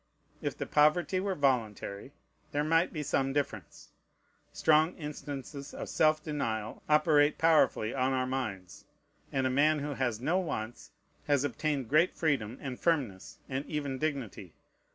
If the poverty were voluntary, there might be some difference. Strong instances of self denial operate powerfully on our minds; and a man who has no wants has obtained great freedom and firmness, and even dignity.